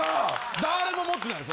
誰も持ってないです